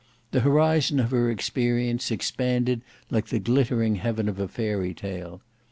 The horizon of her experience expanded like the glittering heaven of a fairy tale.